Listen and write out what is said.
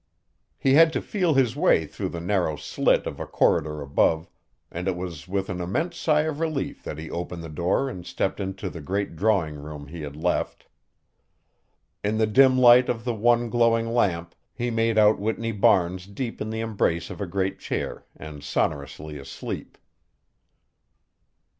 He had to feel his way through the narrow slit of a corridor above, and it was with an immense sigh of relief that he opened the door and stepped into the great drawing room he had left. In the dim light of the one glowing lamp he made out Whitney Barnes deep in the embrace of a great chair and sonorously asleep.